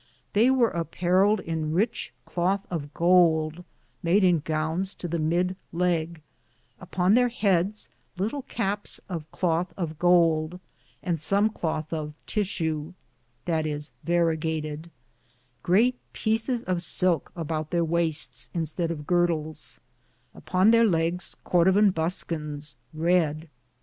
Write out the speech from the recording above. They weare apparled in ritche clothe of goulde made in gowns to the mydlegge ; upon theire heades litle caps of clothe of goulde, and som clothe of Tissue^ ; great peecis of silke abowte theire wastes instead of girdls ; upon their leges Cordivan buskins,^ reede.